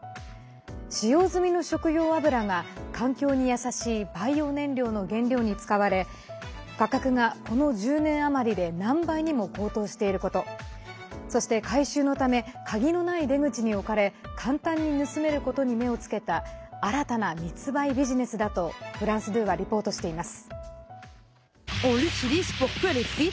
使用済みの食用油が環境に優しいバイオ燃料の原料に使われ価格が、この１０年余りで何倍にも高騰していることそして回収のため鍵のない出口に置かれ簡単に盗めることに目をつけた新たな密売ビジネスだとフランス２はリポートしています。